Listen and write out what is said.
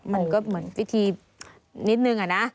มันก็เหมือนวิธีนิดหนึ่ง